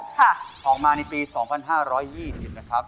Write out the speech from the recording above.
ออกมาในปี๒๕๒๐นะครับ